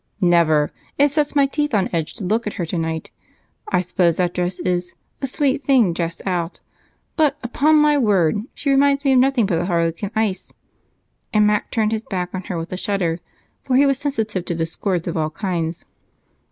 "Never! It sets my teeth on edge to look at her tonight. I suppose that dress is 'a sweet thing just out,' but upon my word she reminds me of nothing but a Harlequin ice," and Mac turned his back on her with a shudder, for he was sensitive to discords of all kinds.